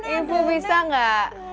ibu bisa enggak